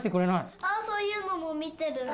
・あそういうのも見てる。